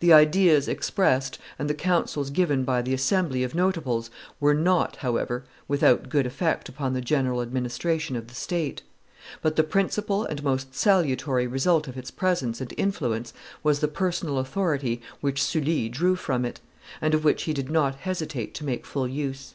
The ideas expressed and the counsels given by the assembly of notables were not, however, without good effect upon the general administration of the state; but the principal and most salutary result of its presence and influence was the personal authority which Sully drew from it, and of which he did not hesitate to make full use.